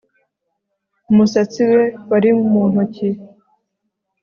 Umusatsi we wari mu ntoki